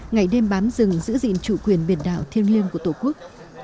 ngày đêm bám rừng giữ gìn chủ quyền biển đảo thiêng liêng của tổ quốc